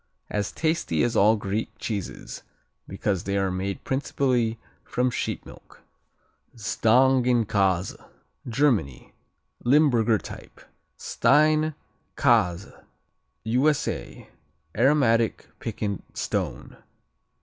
As tasty as all Greek cheeses because they are made principally from sheep milk. Stängenkase Germany Limburger type. Stein Käse U.S.A. Aromatic, piquant "stone."